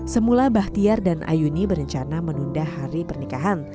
semula bahtiar dan ayuni berencana menunda hari pernikahan